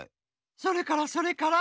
それからそれから？